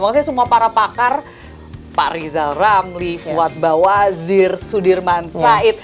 maksudnya semua para pakar pak rizal ramli fuad bawazir sudirman said